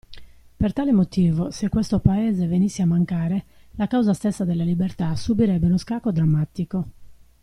Per tale motivo, se questo Paese venisse a mancare, la causa stessa della libertà subirebbe uno scacco drammatico.